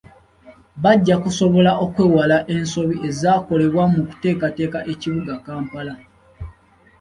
Bajja kusobola okwewala ensobi ezaakolebwa mu kuteekateeka ekibuga Kampala.